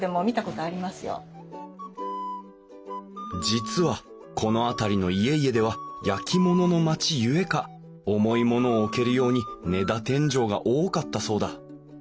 実はこの辺りの家々では焼き物の町ゆえか重い物を置けるように根太天井が多かったそうだ